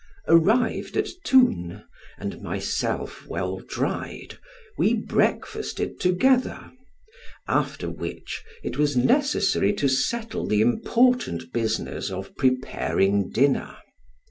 Arrived at Toune, and myself well dried, we breakfasted together; after which it was necessary to settle the important business of preparing dinner.